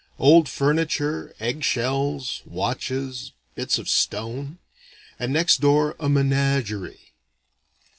Old furniture, egg shells, watches, bits of stone.... And next door, a "menagerie."